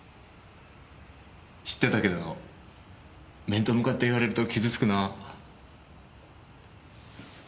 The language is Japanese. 知ってたけど面と向かって言われると傷つくな。